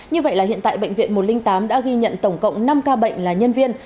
như vậy là hiện tại bệnh viện một trăm linh tám đã ghi nhận tổng cộng năm ca bệnh là nhân viên